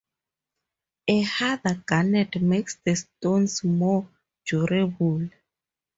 A harder garnet makes the stones more durable.